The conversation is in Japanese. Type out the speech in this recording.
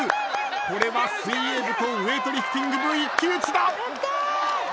これは水泳部とウェイトリフティング部一騎打ちだ！